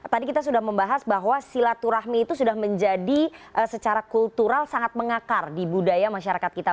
tadi kita sudah membahas bahwa silaturahmi itu sudah menjadi secara kultural sangat mengakar di budaya masyarakat kita